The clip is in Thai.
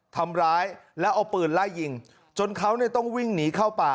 ทำร้ายแล้วเอาปืนไล่ยิงจนเขาต้องวิ่งหนีเข้าป่า